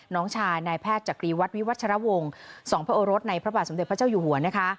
น้องชายนายแพทย์จักรีวัตรวิวัชรวงศ์สองพระโอรสในพระบาทสมเด็จพระเจ้าอยู่หัวนะคะ